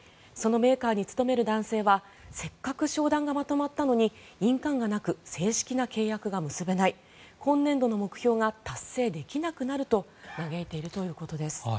そのメーカーに勤める男性はせっかく商談がまとまったのに印鑑がなく正式な契約が結べない今年度の目標が達成できなくなると嘆いているということです。